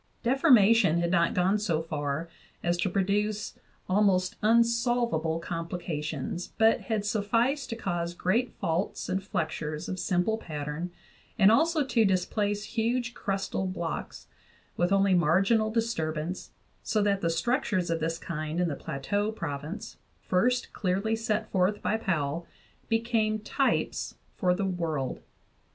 Deformation had not gone so far as to produce almost unsol vable complications, but had sufficed to cause great faults and flexures of simple pattern, and also to displace huge crustal blocks, with only marginal disturbance, so that the structures of this kind in the Plateau province, first clearly set forth by Powell, became types for the world.